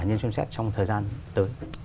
nhân chân xét trong thời gian tới